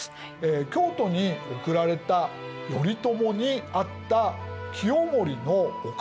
京都に送られた頼朝に会った清盛のお母さん